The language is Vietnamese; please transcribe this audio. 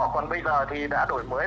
còn bây giờ thì đã đổi mới